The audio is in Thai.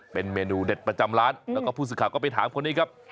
เป็นเมนูเด็ดประจำร้านแล้วก็ผู้สื่อข่าวก็ไปถามคนนี้ครับ